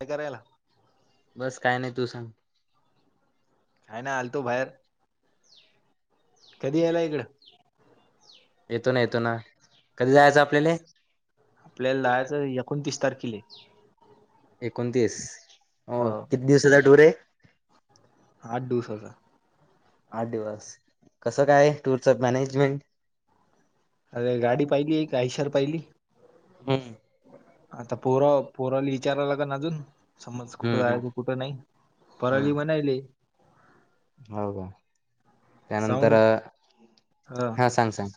काय करायला? बस काय नाही. तू सांग. काही नाही आलतो बाहेर, कधी यायला इकडं? येतो ना. येतो ना. कधी जायचं आपल्याले? आपल्याला जायाचं एकोणतीस तारखीले. एकोणतीस. हो किती दिवसाचा टूर आहे? आठ दिवसाचा. आठ दिवस, कसं काय आहे टूरच मॅनेजमेंट? अरे हम्म गाडी पाहिलीये का? आयशर पाहिली? हम्म आता पोरा-पोराला ईचाराय लागल अजून समज कुठं हम्म जायच? कुठं नाही. परवादिवशी म्हणायले. हाव का? साऊंड त्यानंतर अ हा सांग-सांग.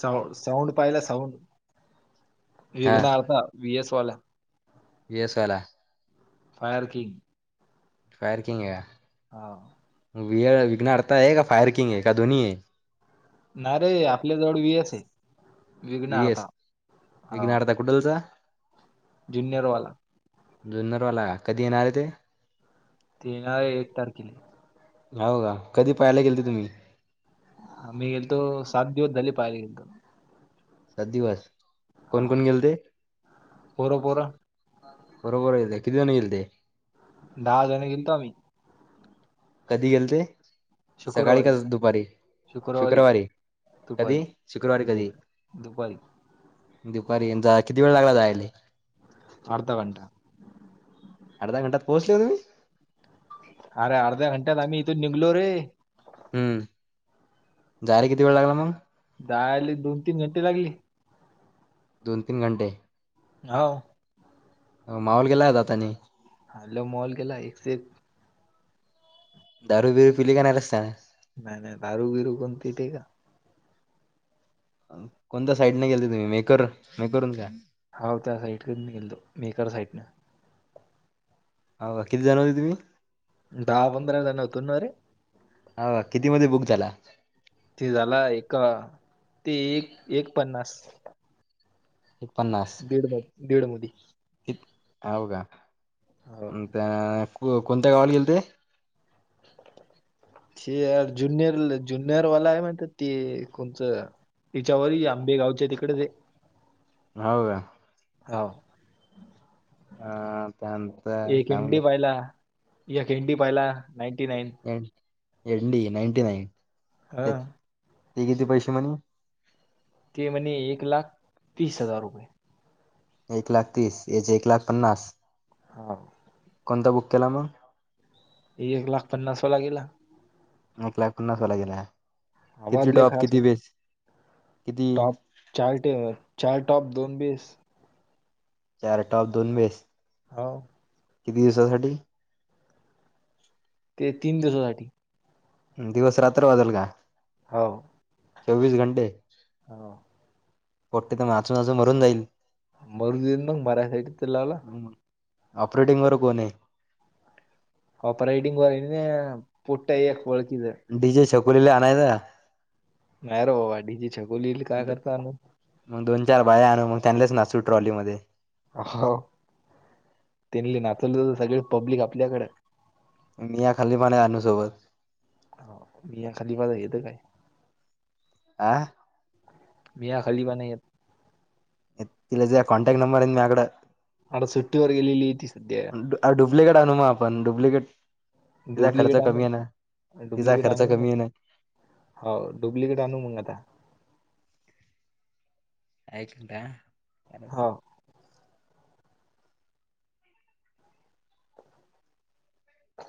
साऊंड- साऊंड पाहिला साऊंड? एकदा आलतां वी एस वाला. वी एस वाला, फायर किंग-फायर किंग आहे हा. हा. विअर विघ्नहर्ता आहे का फायर किंग आहे. का दोन्हीये? नाही रे अरे आपल्या जवळ आपल्याला तर व्ही वी आहे एस. विघ्न वी अर्था एस, हो विघ्नहर्ता कुठलचा? ज्युनियर जुन्नरवाला वाला जुन्नरवाला. कधी येणार आहे ते? ते ना एक तारखेले. हाव का... कधी पाहायला गेलते तुम्ही? मी गेलतो, सात दिवस झाले पाहायला गेलतो. सात दिवस, हा कोण-कोण गेलते? पोरं पोरं बरोबर आहे ते, किती जण गेलते? दहा जण गेलतो आम्ही. कधी गेलते? सकाळी शुक्रवारी का दुपारी? शुक्रवारी. दुपारी कधी? शुक्रवारी दु कधी? दुपारी. दुपारी न जा किती वेळ लागला जायले? अर्धा घंटा. अर्ध घंटात पोहचले तुम्ही? अरे अर्ध्या घंट्यात आम्ही इथून निघलो रे. हम्म... जायले किती वेळ लागला मग? जायला दोन- तीन घंटे लागली. दोन -तीन घंटे. हो. माहोल केला का जातानी? हॅलो... माहोल केला एकसे एक. दारू बिरू पिली का नाही रस्त्यानं? नाही नाही दारू बिरू कोण पिते का. कोणत्या साईडने गेलते तुम्ही? मेकर मेकरून का? हो त्या साईटकडणं गेलतो. मेकर साईटने हो का किती जण होते तुम्ही दहा - पंधरा जण होतो ना रे... हो का किती मध्ये बुक झाला ते झाला एक ते एक एक पन्नास. एक पन्नास, दीड मध दीड मध्ये हव का? हो त्या कोणत्या गावाला गेल ते? हे ज्युनियर ज्युनियरवा आहे म्हणत, ते कोणचं. तिच्यावर आंबेगावच्या तिकडे ते. हो का. हव. हा त्या नंतर काय एनडी म्हलं पाहिला एक ए एनडी पाहिला ninety nine D ninety nine हा. ते किती पैसे म्हणे? ते म्हणे, एक लाख तीस हजार रुपये. एक लाख तीस, हेजे एक लाख पन्नास, हा कोणता बुक केला मग. एक लाख पन्नास वाला गेला. एक लाख पन्नासवाला गेला, किती आवाज लय टॉप, खास किती बेस, किती चार्ट, चार टॉप, दोन बीस चार टॉप, दोन बेस. होव. किती दिवससाठी? ते तीन दिवसासाठी. दिवस रात्र वाजल का, हो चोवीस घंटे. हो कोटी तर माचून वाचून मरून जाईल. मरू दे मग म्हणायचं आहे तर. लावला ऑपरेटिंग वर कोण आहे? ऑपरेटिंग वर आहे ना, पोट्ट्या एक वळखीचं डीजे छकुलीला आणायचं. नाही रे बाबा, डीजे छकुलीला काय करता आणून. मग दोन, चार बाय आणू, मग त्यांनाच नाचू ट्रॉलीमध्ये. हो, त्यांन नाचवलं तर सगळे पब्लिक आपल्याकडे. मिया खलिफा आणि आणू सोबत. हा, मिया खलिफा गल्लीच आहे. आ. मिया खलिफा नाही येतं. तिला ज कॉन्टॅक्ट नंबर आहे, मझ्याकडे. आता सुट्टीवर गेलेली ती सध्या डुप्लिकेट आणू आपण डुप्लिकेट. तिचा खर्च डुप्लिकेट कमी आणून आहे ना, तिचा डुप्लिकेट खर्च आणून कमी मग आहे ना. हो, डुप्लिकेट आनू मग आत्ता. काय खंता. हा